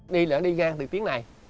đi ngang từ tiếng này